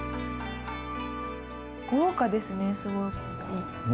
豪華ですねすごい。ね。